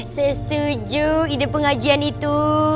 saya setuju ide pengajian itu